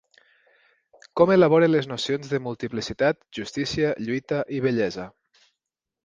Com elabore les nocions de multiplicitat, justícia, lluita i bellesa?